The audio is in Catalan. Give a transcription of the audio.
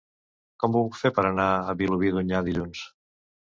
Com ho puc fer per anar a Vilobí d'Onyar dilluns?